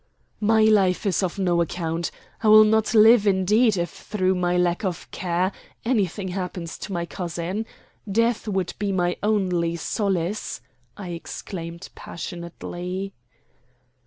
"My life is of no account; I will not live, indeed, if, through my lack of care, anything happens to my cousin. Death would be my only solace!" I exclaimed passionately.